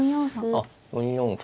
あっ４四歩で。